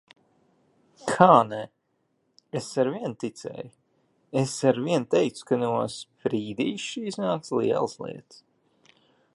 Kā nē? Es arvien ticēju! Es arvien teicu, ka no Sprīdīša iznāks lielas lietas.